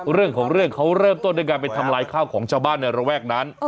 เรื่องของเรื่องเขาเริ่มต้นด้วยการไปทำลายข้าวของชาวบ้านในระแวกนั้น